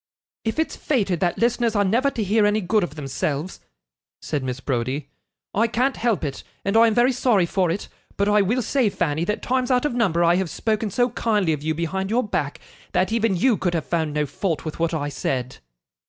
'If it's fated that listeners are never to hear any good of themselves,' said Mrs. Browdie, 'I can't help it, and I am very sorry for it. But I will say, Fanny, that times out of number I have spoken so kindly of you behind your back, that even you could have found no fault with what I said.